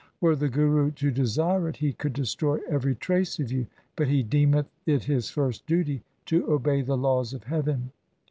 Were the Guru to desire it, he could destroy every trace of you, but he deemeth it his first duty to obey the laws of heaven.